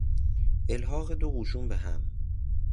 الحاق دو قشون به هم